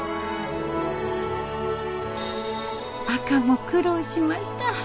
赤も苦労しました。